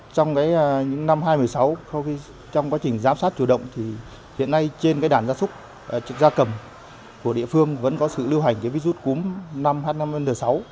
trong những năm hai nghìn một mươi sáu trong quá trình giám sát chủ động hiện nay trên đàn da cầm của địa phương vẫn có sự lưu hành virus cúm h năm n sáu